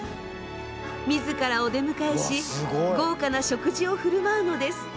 自らお出迎えし豪華な食事を振る舞うのです。